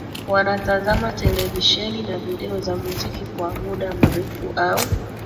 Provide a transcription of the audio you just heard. Wanatazama televisheni na video za muziki kwa muda mrefu au